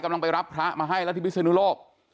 กำลังไปรับพระมาให้แล้วที่พิศนุโลก